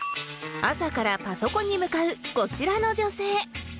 朝からパソコンに向かうこちらの女性